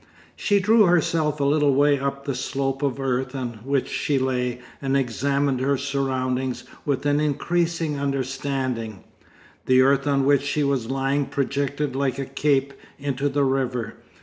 She drew herself a little way up the slope of earth on which she lay, and examined her surroundings with an increasing understanding.... The earth on which she was lying projected like a cape into the river.